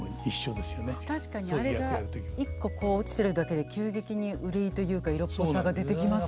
確かにあれが１個落ちてるだけで急激に憂いというか色っぽさが出てきますね。